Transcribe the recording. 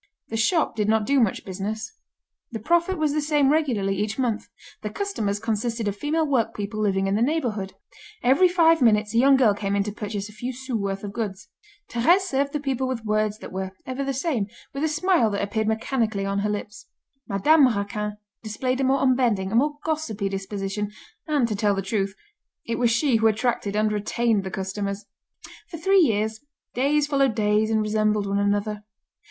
The shop did not do much business. The profit was the same regularly each month. The customers consisted of female workpeople living in the neighbourhood. Every five minutes a young girl came in to purchase a few sous worth of goods. Thérèse served the people with words that were ever the same, with a smile that appeared mechanically on her lips. Madame Raquin displayed a more unbending, a more gossipy disposition, and, to tell the truth, it was she who attracted and retained the customers. For three years, days followed days and resembled one another.